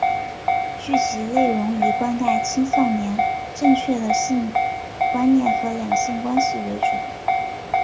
剧集内容以灌输青少年正确的性观念和两性关系为主。